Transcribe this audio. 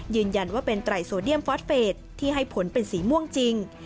ยืนยันว่าเป็นไตรโซเดียมฟอสเฟสที่ให้ผลเป็นสีม่วงจริง